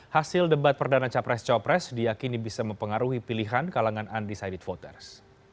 hasil debat perdana capres capres diakini bisa mempengaruhi pilihan kalangan undecided voters